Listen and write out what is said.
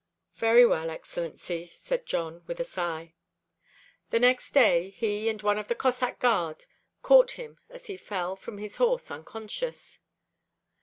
"Very well, Excellency," said Jon, with a sigh. The next day he and one of the Cossack guard caught him as he fell from his horse unconscious.